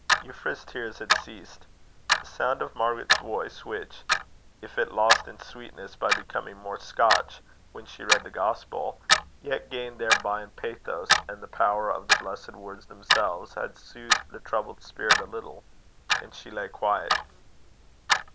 Euphra's tears had ceased. The sound of Margaret's voice, which, if it lost in sweetness by becoming more Scotch when she read the Gospel, yet gained thereby in pathos, and the power of the blessed words themselves, had soothed the troubled spirit a little, and she lay quiet.